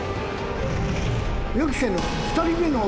予期せぬ。